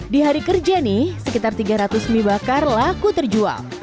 di hari kerja nih sekitar tiga ratus mie bakar laku terjual